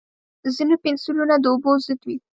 ځینې پنسلونه د اوبو ضد وي.